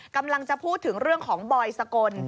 กำลังจะพูดถึงเรื่องของบอยสกล